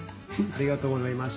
ありがとうございます。